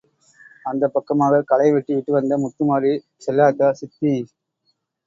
அந்தப் பக்கமாக களை வெட்டிவிட்டு வந்த முத்துமாரி, செல்லாத்தா சித்தி!